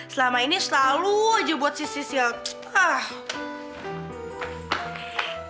selama ini selalu aja buat sis sis yang